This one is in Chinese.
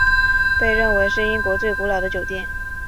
被认为是英国最古老的酒店。